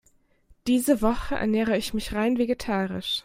Diese Woche ernähre ich mich rein vegetarisch.